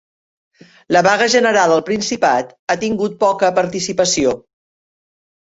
La vaga general al Principat ha tingut poca participació